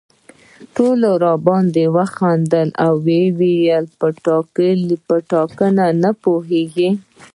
ټولو راباندې وخندل او ویې ویل په ټاکنه نه پوهېږي.